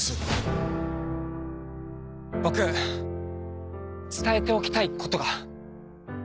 「僕伝えておきたいことが」